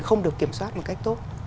không được kiểm soát một cách tốt